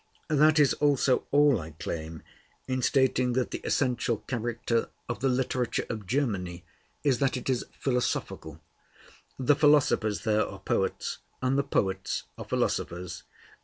That is also all I claim, in stating that the essential character of the literature of Germany is, that it is philosophical. The philosophers there are poets, and the poets are philosophers.